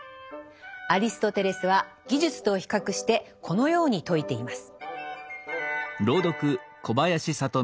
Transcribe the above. アリストテレスは技術と比較してこのように説いています。